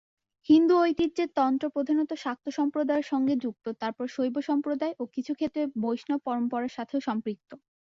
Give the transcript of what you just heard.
হিন্দু ঐতিহ্যে, তন্ত্র প্রধানত শাক্ত সম্প্রদায়ের সঙ্গে যুক্ত, তারপর শৈব সম্প্রদায়, ও কিছু ক্ষেত্রে বৈষ্ণব পরম্পরার সাথেও সম্পৃক্ত।